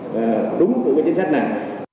và đúng của cái chính sách này